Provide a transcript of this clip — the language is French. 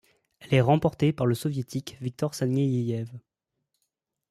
Elle est remportée par le Soviétique Viktor Sanyeyev.